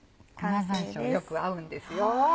粉山椒よく合うんですよ。